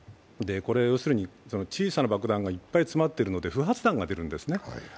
要するに、小さな爆弾がいっぱい詰まってるので不発弾が出るんですね。